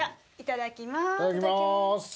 いただきます。